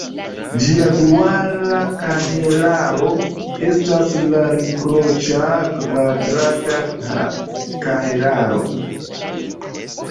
Ĝia duala kahelaro estas la riproĉa kvadrata kahelaro.